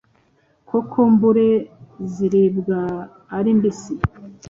Kokombure ziribwa ari mbisi,